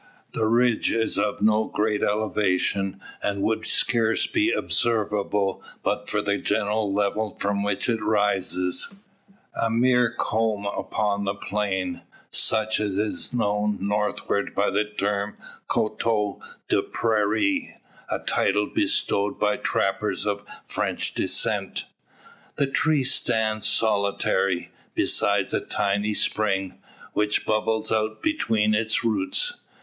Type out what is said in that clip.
The ridge is of no great elevation, and would scarce be observable but for the general level from which it rises, a mere comb upon the plain, such as is known northward by the term coteau de prairie a title bestowed by trappers of French descent. The tree stands solitary, beside a tiny spring, which bubbles out between its roots.